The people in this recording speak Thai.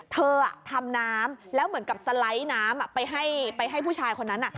เธอทำน้ำแล้วเหมือนกับสไลด์น้ำไปให้ผู้ชายคนนั้น